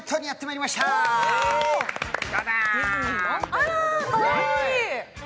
あら、かわいい。